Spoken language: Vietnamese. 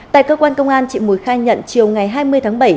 tại cơ quan công an chị mùi khai nhận chiều ngày hai mươi tháng bảy